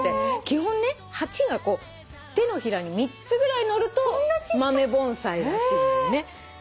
基本ね鉢が手のひらに３つぐらいのると豆盆栽らしいのね。